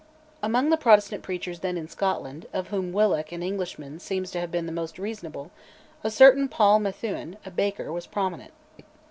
Among the Protestant preachers then in Scotland, of whom Willock, an Englishman, seems to have been the most reasonable, a certain Paul Methuen, a baker, was prominent.